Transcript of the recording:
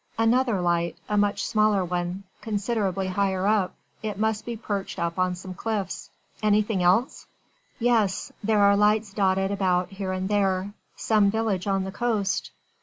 "Another light a much smaller one considerably higher up. It must be perched up on some cliffs." "Anything else?" "Yes. There are lights dotted about here and there. Some village on the coast."